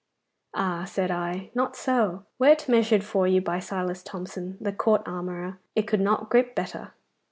Ah, said I not so! Were't measured for you by Silas Thomson, the court armourer, it could not grip better.